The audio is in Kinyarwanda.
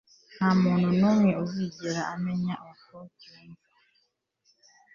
ntamuntu numwe uzigera amenya uko mbyumva